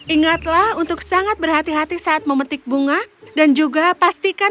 ingatlah untuk sangat berhati hati saat memetik bunga dan juga pastikan